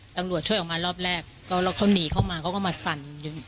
ตำรวจช่วยออกมารอบแรกแล้วเขาหนีเข้ามาเขาก็มาสั่น